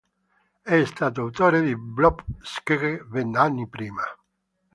È stato autore di "Blob", "Schegge", "Vent'anni prima".